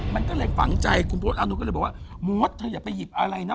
มันก็เลยฝังใจคุณพ่อดำตอนนี้เขาเลยบอกว่ามวดเธออยากไปหยิบอะไรนะ